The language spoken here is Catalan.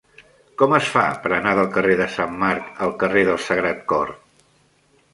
Com es fa per anar del carrer de Sant Marc al carrer del Sagrat Cor?